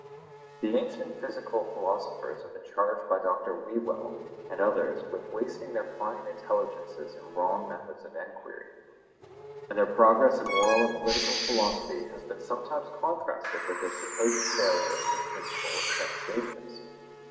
The ancient physical philosophers have been charged by Dr. Whewell and others with wasting their fine intelligences in wrong methods of enquiry; and their progress in moral and political philosophy has been sometimes contrasted with their supposed failure in physical investigations.